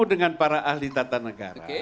dengan para ahli tata negara